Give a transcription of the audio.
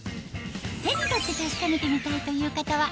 手に取って確かめてみたいという方は